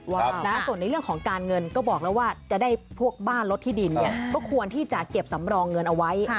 ส่วนในเรื่องของการเงินก็บอกแล้วว่าจะได้พวกบ้านรถที่ดินเนี่ยก็ควรที่จะเก็บสำรองเงินเอาไว้